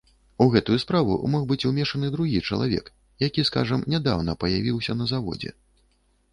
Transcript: У гэтую справу мог быць умешаны другі чалавек, які, скажам, нядаўна паявіўся на заводзе.